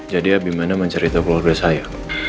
jadi abimana mencari tahu keluarga saya